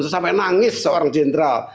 sampai nangis seorang jenderal